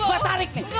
gua tarik nih